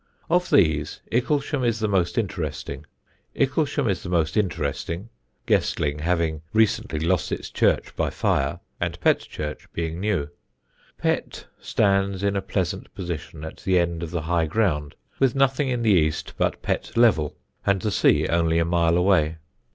Of these, Icklesham is the most interesting, Guestling having recently lost its church by fire, and Pett church being new. Pett stands in a pleasant position at the end of the high ground, with nothing in the east but Pett Level, and the sea only a mile away.